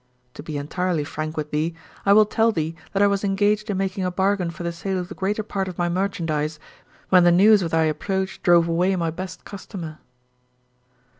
To be entirely frank with thee, I will tell thee that I was engaged in making a bargain for the sale of the greater part of my merchandise when the news of thy approach drove away my best customer."